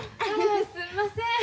すんません。